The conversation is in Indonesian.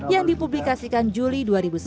yang dipublikasikan juli dua ribu sembilan belas